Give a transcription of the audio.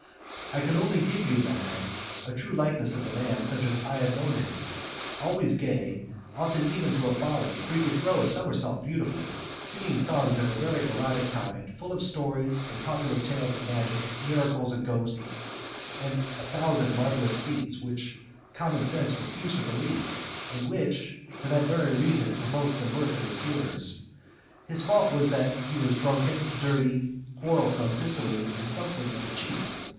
"I can only give you, madam, a true likeness of the man, such as I have seen him. Always gay, often even to folly, for he could throw a somersault beautifully; singing songs of a very erotic kind, full of stories and of popular tales of magic, miracles, and ghosts, and a thousand marvellous feats which common sense refused to believe, and which, for that very reason, provoked the mirth of his hearers. His faults were that he was drunken, dirty, quarrelsome, dissolute, and somewhat of a cheat.